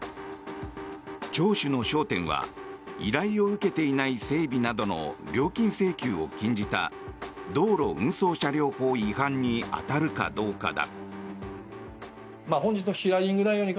聴取の焦点は依頼を受けていない整備などの料金請求を禁じた道路運送車両法違反に当たるかどうかだ。